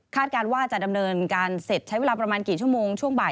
การว่าจะดำเนินการเสร็จใช้เวลาประมาณกี่ชั่วโมงช่วงบ่าย